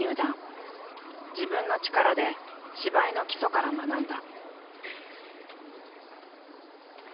自分の力で芝居の基礎から学んだ。